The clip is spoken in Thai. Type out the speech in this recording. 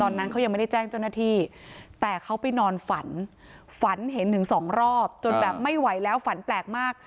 ตอนนั้นเขายังไม่ได้แจ้งเจ้าหน้าที่แต่เขาไปนอนฝันฝันเห็นถึงสองรอบจนแบบไม่ไหวแล้วฝันแปลกมาก